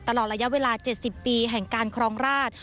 ตลอดระยะเวลา๗๐ปีแห่งการครองราช